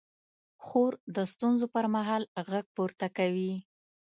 خور د ستونزو پر مهال غږ پورته کوي.